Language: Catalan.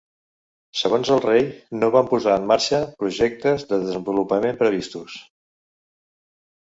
Segons el rei, no van posar en marxa projectes de desenvolupament previstos.